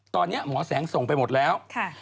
ตอนนี้หมอแสงส่งไปหมดแล้ว